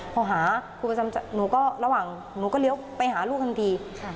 พอหาครูประจำชั้นหนูก็เลี้ยวไปหาลูกทั้งที